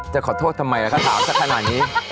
จะขอโทษทำไมแล้วคะหาราคา๓กับ๖สถานี